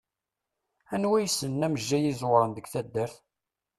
Anwa i yessnen amejjay iẓewṛen deg taddart?